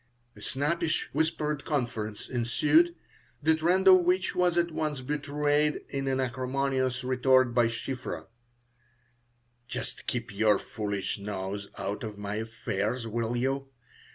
A snappish whispered conference ensued, the trend of which was at once betrayed in an acrimonious retort by Shiphrah: "Just keep your foolish nose out of my affairs, will you?